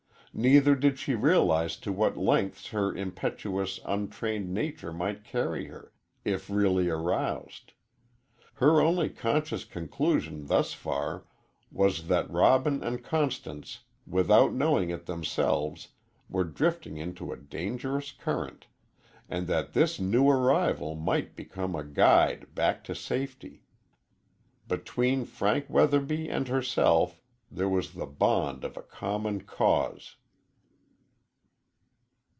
Neither did she realize to what lengths her impetuous, untrained nature might carry her, if really aroused. Her only conscious conclusion thus far was that Robin and Constance, without knowing it themselves, were drifting into a dangerous current, and that this new arrival might become a guide back to safety. Between Frank Weatherby and herself there was the bond of a common cause.